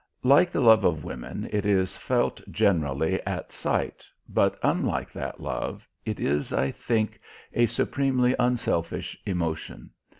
Like the love of women, it is felt generally at sight, but, unlike that love, it is, I think, a supremely unselfish emotion.